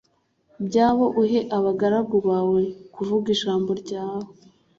byabo uhe abagaragu bawe kuvuga ijambo ryawe